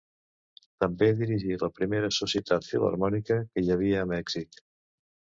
També dirigí la primera societat filharmònica que hi havia a Mèxic.